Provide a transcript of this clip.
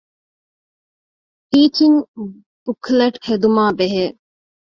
ޓީޗިންގ ބުކްލެޓް ހެދުމާބެހޭ